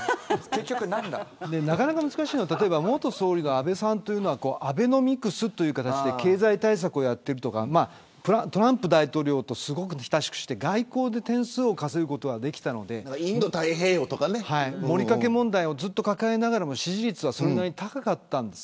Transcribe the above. なかなか難しいのが元総理の安倍さんはアベノミクスという形で経済対策をやったりトランプ大統領と親しくして外交で点数を稼ぐことができたので、もりかけ問題をずっと抱えながらも支持率はそれなりに高かったんです。